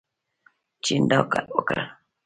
چین دا کار وکړ.